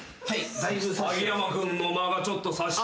秋山君の間がちょっとさしてたね。